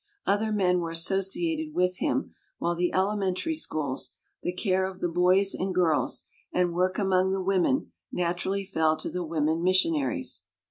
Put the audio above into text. Other men were as sociated with him, while the elementary schools, the care of the boys and girls, and work among the women, naturally fell to the women missionaries.